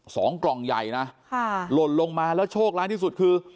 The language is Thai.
กล่องใหญ่นะค่ะหล่นลงมาแล้วโชคร้ายที่สุดคือ